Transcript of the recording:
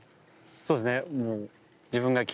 そうですね。